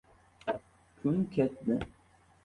Kun ketdi.